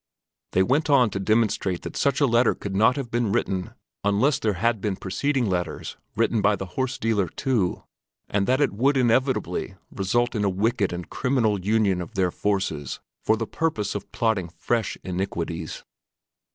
They went on to demonstrate that such a letter could not have been written unless there had been preceding letters written by the horse dealer, too, and that it would inevitably result in a wicked and criminal union of their forces for the purpose of plotting fresh iniquities.